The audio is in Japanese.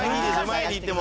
前に行っても」